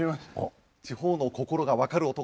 地方の心がわかる男